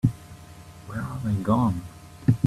Where are they gone?